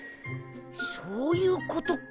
そういうことか。